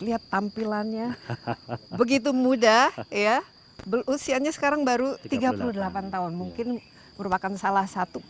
lihat tampilannya begitu muda ya usianya sekarang baru tiga puluh delapan tahun mungkin merupakan salah satu